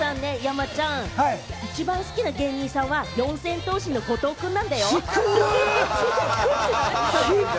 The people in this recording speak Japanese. でもね、横山さんね山ちゃん、一番好きな芸人さんは、四千頭身の後藤くんなんだよ。